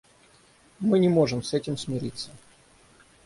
Мы не можем с этим смириться.